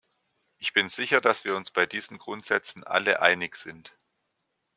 Ich bin sicher, dass wir uns bei diesen Grundsätzen alle einig sind.